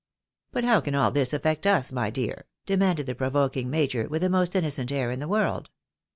" But how can all this affect us, my dear ?" demanded the pro voking major, with the most innocent air in the world.